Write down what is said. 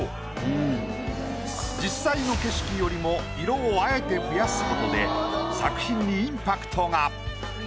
実際の景色よりも色をあえて増やすことで作品にインパクトが。